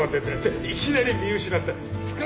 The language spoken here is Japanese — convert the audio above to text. いきなり見失った。